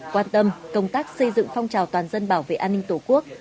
quan tâm công tác xây dựng phong trào toàn dân bảo vệ an ninh tổ quốc